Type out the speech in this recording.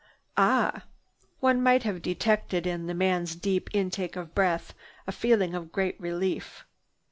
"Ah!" One might have detected in the man's deep intake of breath a feeling of great relief.